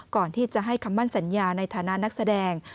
ก่อนที่จะให้คำมั่นสัญญาในฐานะนักแสดง